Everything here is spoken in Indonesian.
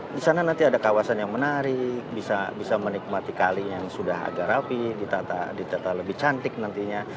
di sana nanti ada kawasan yang menarik bisa menikmati kali yang sudah agak rapi ditata lebih cantik nantinya